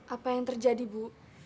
apa yang terjadi ibu